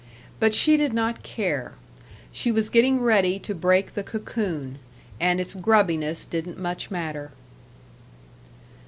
But she did not care; she was getting ready to break the cocoon, and its grubbiness didn't much matter.